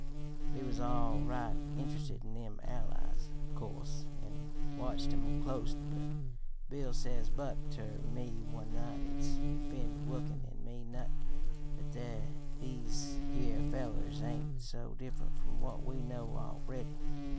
"We was all right int'rested in them Allies, o' course, an' watched 'em clost; but, 'Bill,' says Buck ter me one night, 'its been woikin in me nut that these here fellers ain't so different from what we know a'ready.